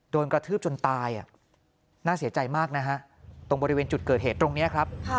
กระทืบจนตายน่าเสียใจมากนะฮะตรงบริเวณจุดเกิดเหตุตรงนี้ครับ